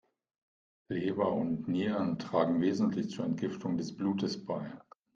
Leber und Nieren tragen wesentlich zur Entgiftung des Blutes bei.